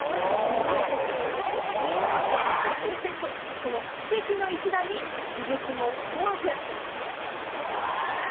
この奇跡の一打に、鈴木も思わず。